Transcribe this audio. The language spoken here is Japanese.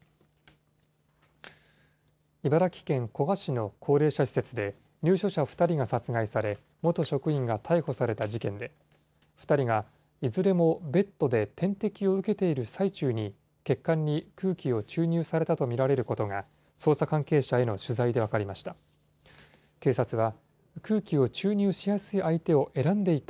茨城県古河市の高齢者施設で、入所者２人が殺害され、元職員が逮捕された事件で、２人がいずれもベッドで点滴を受けている最中に、血管に空気を注入されたと見られることが、捜査関係者への取材で分かりました。